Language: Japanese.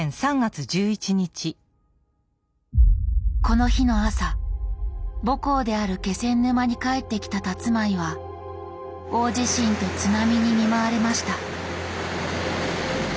この日の朝母港である気仙沼に帰ってきたたつまいは大地震と津波に見舞われました。